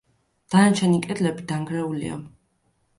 დანარჩენი კედლები დანგრეულია.